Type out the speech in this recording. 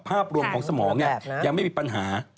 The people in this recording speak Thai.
ภาพรวมของสมองยังไม่มีปัญหา